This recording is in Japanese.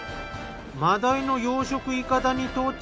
真鯛の養殖いかだに到着。